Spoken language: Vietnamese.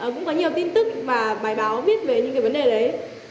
cũng có nhiều tin tức và bài báo biết về những cái vấn đề đấy